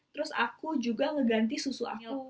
terus aku juga ngeganti susu angel